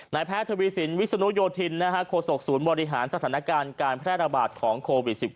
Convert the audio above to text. แพทย์ทวีสินวิศนุโยธินโคศกศูนย์บริหารสถานการณ์การแพร่ระบาดของโควิด๑๙